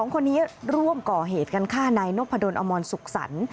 ๒คนนี้ร่วมก่อเหตุกันฆ่านายนพดลอมรสุขสรรค์